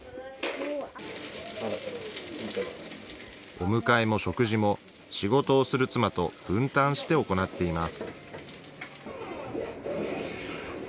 お迎えも食事も、仕事をする妻と分担して行っています。